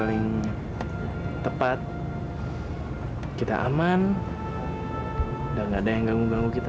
sampai jumpa di video selanjutnya